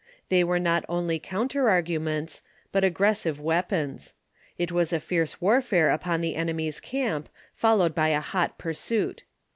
They were not only counter arguments, but aggressive weapons. It was a fierce warfare upon the enemy's camp, fol lowed by a hot pursuit.